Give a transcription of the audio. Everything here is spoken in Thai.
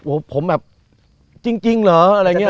โอ้ผมแบบจริงเหรอ